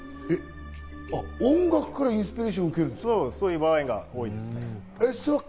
音楽からインスピレーションそういう場合が多いです。